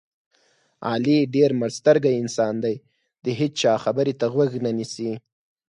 علي ډېر مړسترګی انسان دی دې هېچا خبرې ته غوږ نه نیسي.